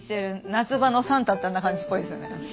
夏場のサンタってあんな感じっぽいですよね。